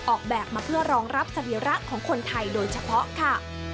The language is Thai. ออกแบบมาเพื่อรองรับสรีระของคนไทยโดยเฉพาะค่ะ